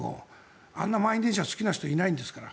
あんな満員電車が好きな人はいないんですから。